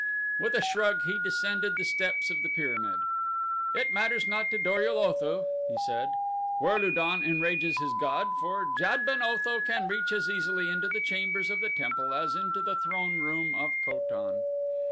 With a shrug he descended the steps of the pyramid. "It matters not to Dor ul Otho," he said, "where Lu don enrages his god, for Jad ben Otho can reach as easily into the chambers of the temple as into the throneroom of Ko tan."